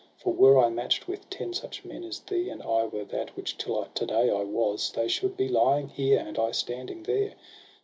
For were I match' d with ten such men as thou, And I were he who till to day I was. They should be lying here, I standing there.